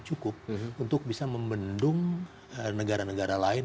cukup untuk bisa membendung negara negara lain